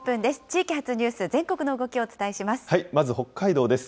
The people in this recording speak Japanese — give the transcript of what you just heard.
地域発ニュース、全国の動きをお伝えします。